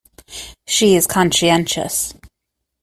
She is conscientious.